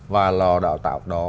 và lò đào tạo đó